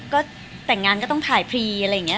ก็แต่งงานก็ต้องถ่ายฟลี